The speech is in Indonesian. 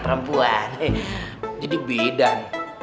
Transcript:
perempuan jadi bidan